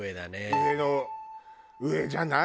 上の上じゃない？